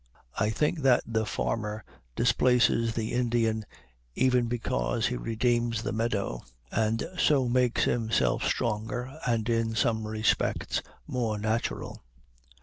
I think that the farmer displaces the Indian even because he redeems the meadow, and so makes himself stronger and in some respects more natural.